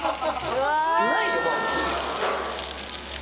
うわ！